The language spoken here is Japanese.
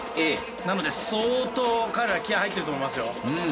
なので相当彼らは気合い入ってると思いますよ。